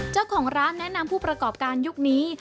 เจ้าของร้านแนะนำผู้ประกอบการยุคนี้